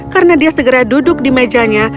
karena dia segera duduk di mejanya